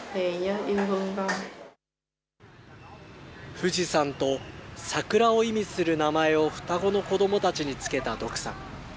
富士山と桜を意味する名前を双子の子どもたちに付けたドクさん。